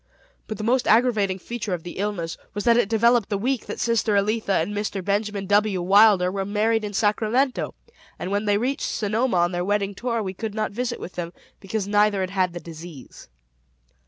But the most aggravating feature of the illness was that it developed the week that sister Elitha and Mr. Benjamin W. Wilder were married in Sacramento; and when they reached Sonoma on their wedding tour, we could not visit with them, because neither had had the disease.